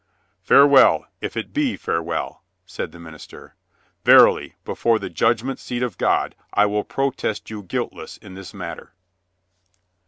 "Farewell, if it be farewell," said the minister. "Verily, before the judgment seat of God, I will protest you guiltless in this matter."